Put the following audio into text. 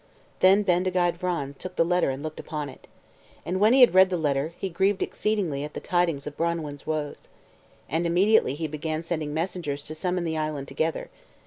Then Bendigeid Vran took the letter and looked upon it. And when he had read the letter, he grieved exceedingly at the tidings of Branwen's woes. And immediately he began sending messengers to summon the island together.